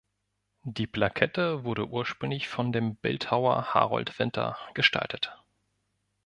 Die Plakette wurde ursprünglich von dem Bildhauer Harold Winter gestaltet.